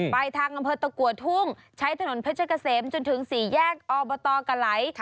ไปทางอำเภอตะกัวทุ่งใช้ถนนเพชรเกษมจนถึง๔แยกอบตกะไหล